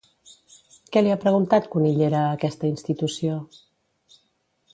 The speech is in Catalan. Què li ha preguntat Cunillera a aquesta institució?